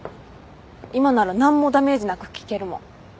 今なら何もダメージなく聞けるもん。